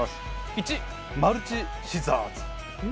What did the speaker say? １、マルチシザーズ。